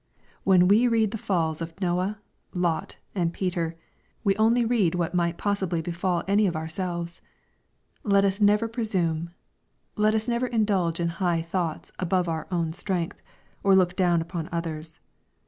When we read the falls of Noah, Lot, and Peter, we only road what might possibly befall any of ourselves. Let us never presume. Let us never indulge in high thoughts about our own 438 EXPOSITORY THOUGHTS. Btrength, or look down upon others.